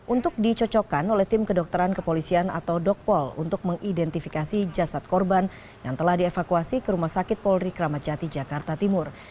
untuk dicocokkan oleh tim kedokteran kepolisian atau dokpol untuk mengidentifikasi jasad korban yang telah dievakuasi ke rumah sakit polri kramat jati jakarta timur